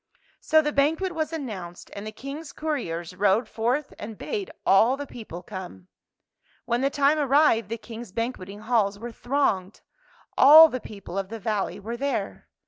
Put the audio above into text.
So the banquet was announced, and the King's couriers rode forth and bade all the people come. When the time arrived, the King's ban queting halls were thronged. All the people of the valley were there.